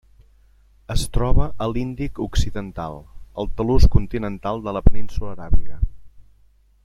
Es troba a l'Índic occidental: el talús continental de la península Aràbiga.